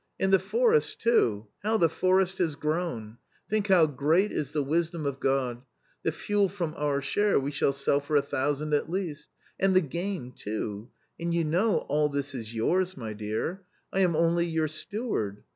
And the forest too ! how the forest has grown ! Think how great is the wisdom of God 1 The fuel from our share we shall sell for a thousand at least. And the game, too ! And you know all this is yours, my dear ; I am only your steward.